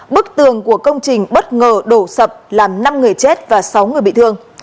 bức tường của công trình bất ngờ đổ sập làm năm người chết và sáu người bị thương